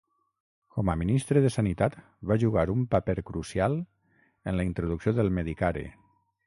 Com a ministre de sanitat, va jugar un paper crucial en la introducció del Medicare.